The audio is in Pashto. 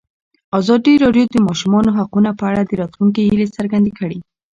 ازادي راډیو د د ماشومانو حقونه په اړه د راتلونکي هیلې څرګندې کړې.